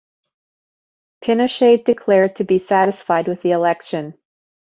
Pinochet declared to be satisfied with the election.